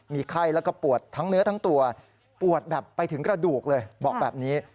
มีไข้แล้วก็ปวดทั้งเนื้อทั้งตัวปวดแบบไปถึงกระดูกเลยบอกแบบนี้